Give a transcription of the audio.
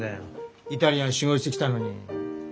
イタリアン修業してきたのに。